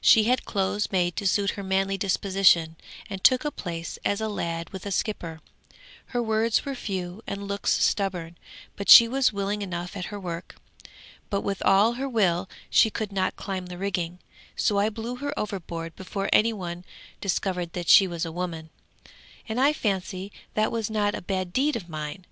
'She had clothes made to suit her manly disposition, and took a place as a lad with a skipper. Her words were few and looks stubborn, but she was willing enough at her work. But with all her will she could not climb the rigging; so I blew her overboard before any one discovered that she was a woman, and I fancy that was not a bad deed of mine!'